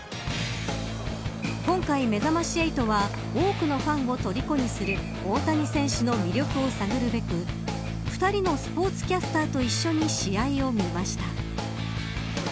今回、めざまし８は多くのファンをとりこにする大谷選手の魅力を探るべく２人のスポーツキャスターと一緒に試合を見ました。